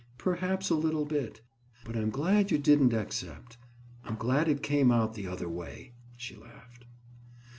"Perhaps a little bit. But I'm glad you didn't accept. I'm glad it came out the other way," she laughed.